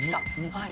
はい。